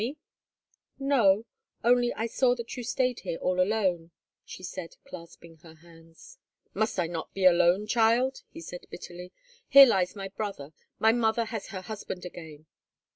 [Picture: "'No; only I saw that you stayed here all alone,' she said, clasping her hands." Page 269] "Must I not be alone, child?" he said, bitterly. "Here lies my brother. My mother has her husband again!"